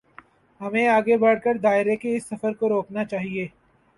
ہمیں آگے بڑھ کر دائرے کے اس سفر کو روکنا چاہیے۔